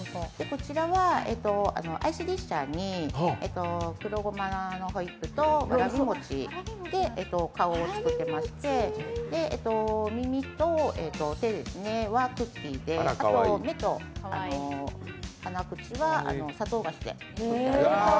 こちらはアイスディッシャーに、わらび餅で顔を作ってまして、耳と手はクッキーで、目と鼻、口は砂糖菓子で作っています。